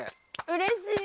うれしい。